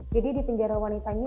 jadi di penjara wanitanya